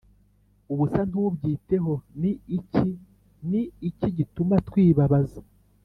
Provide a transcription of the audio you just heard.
ubusa ntubyiteho ni iki Ni iki gituma twibabaza